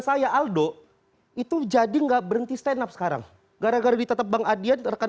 saya aldo itu jadi enggak berhenti stand up sekarang gara gara ditetap bang adian rekan